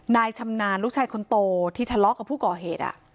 ชำนาญลูกชายคนโตที่ทะเลาะกับผู้ก่อเหตุ